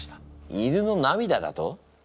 犬の涙だと？